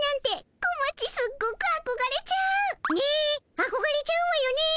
あこがれちゃうわよね。